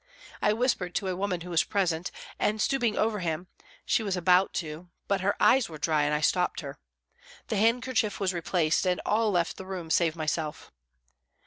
I whispered to a woman who was present, and stooping over him, she was about to but her eyes were dry, and I stopped her. The handkerchief was replaced, and all left the room save myself.